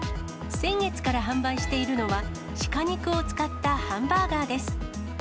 先月から販売しているのは、シカ肉を使ったハンバーガーです。